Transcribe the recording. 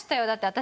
私